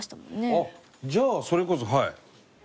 伊達：じゃあ、それこそ、はい。